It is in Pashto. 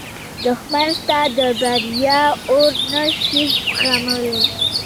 دښمن ستا د بریا اور نه شي زغملی